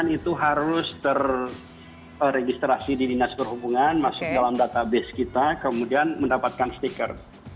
itu harus terregistrasi di dinas perhubungan masuk dalam database kita kemudian mendapatkan stiker